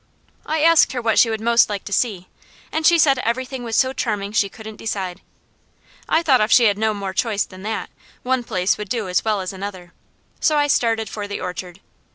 I asked her what she would like most to see, and she said everything was so charming she couldn't decide. I thought if she had no more choice than that, one place would do as well as another, so I started for the orchard.